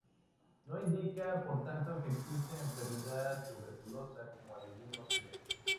No indica por tanto que existe enfermedad tuberculosa, como algunos creen.